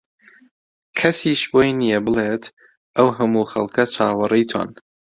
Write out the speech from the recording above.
کەسیش بۆی نییە بڵێت ئەو هەموو خەڵکە چاوەڕێی تۆن